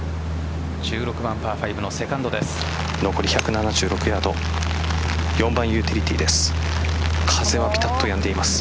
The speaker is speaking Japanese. １６番パー５のセカンドです。